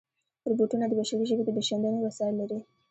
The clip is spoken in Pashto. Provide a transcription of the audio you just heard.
روبوټونه د بشري ژبې د پېژندنې وسایل لري.